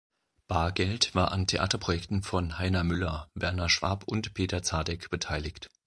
Bargeld war an Theaterprojekten von Heiner Müller, Werner Schwab und Peter Zadek beteiligt.